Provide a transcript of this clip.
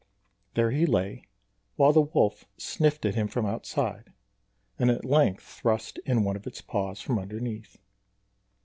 There he lay, while the wolf sniffed at him from outside, and at length thrust in one of its paws from underneath.